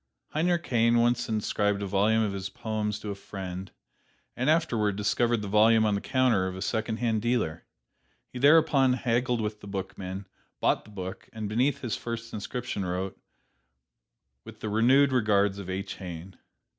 Heinrich Heine once inscribed a volume of his poems to a friend, and afterward discovered the volume on the counter of a secondhand dealer. He thereupon haggled with the bookman, bought the book and beneath his first inscription wrote, "With the renewed regards of H. Heine."